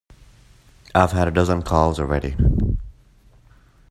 I've had a dozen calls already.